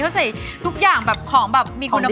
เพราะเสร็จทุกอย่างของมีคุณภาพ